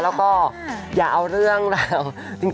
แล้วก็อย่าเอาเรื่องแหล่ว